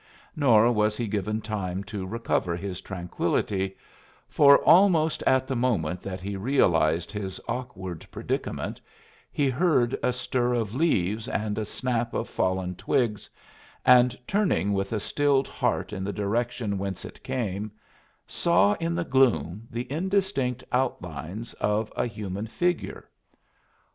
Nor was he given time to recover his tranquillity, for almost at the moment that he realized his awkward predicament he heard a stir of leaves and a snap of fallen twigs, and turning with a stilled heart in the direction whence it came, saw in the gloom the indistinct outlines of a human figure.